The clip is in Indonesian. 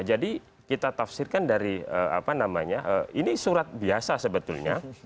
jadi kita tafsirkan dari ini surat biasa sebetulnya